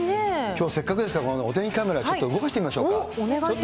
きょう、せっかくですから、お天気カメラ、動かしてみましょお願いします。